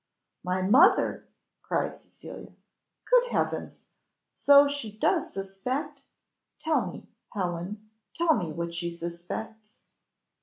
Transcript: "My mother!" cried Cecilia: "Good heavens! so she does suspect? tell me, Helen, tell me what she suspects."